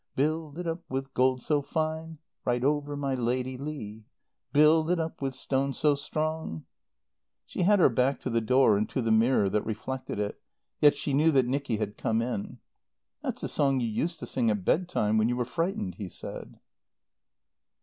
"'Build it up with gold so fine (Ride over my Lady Leigh!) "'Build it up with stones so strong'" She had her back to the door and to the mirror that reflected it, yet she knew that Nicky had come in. "That's the song you used to sing at bed time when you were frightened," he said.